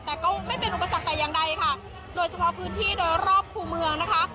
แต่ก็ไม่เป็นอุปสรรคแต่อย่างใดค่ะโดยเฉพาะพื้นที่โดยรอบคู่เมืองนะคะ